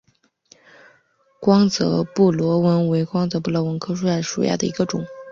光泽布纹螺为布纹螺科布纹螺属下的一个种。